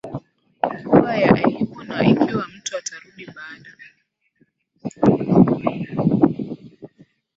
kuwa ya aibu Na ikiwa mtu atarudi baada